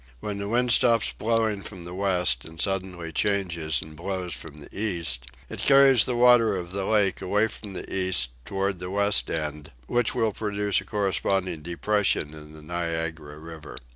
When the wind stops blowing from the west and suddenly changes and blows from the east, it carries the water of the lake away from the east toward the west end, which will produce a corresponding depression in the Niagara River.